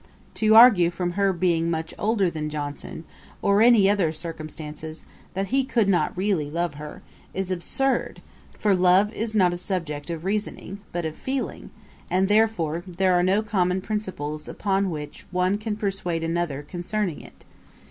To argue from her being much older than Johnson, or any other circumstances, that he could not really love her, is absurd; for love is not a subject of reasoning, but of feeling, and therefore there are no common principles upon which one can persuade another concerning it.